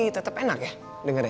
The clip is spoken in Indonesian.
tetep enak ya dengerin